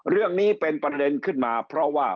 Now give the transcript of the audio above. เรื่องนี้เป็นประเด็นขึ้นมาเพราะว่า